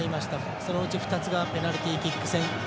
そのうち２つがペナルティーキック戦。